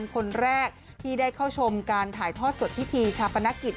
คนแรกที่ได้เข้าชมการถ่ายทอดสดพิธีชาปนกิจ